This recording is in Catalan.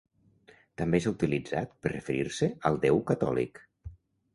També s'ha utilitzat per referir-se al déu catòlic.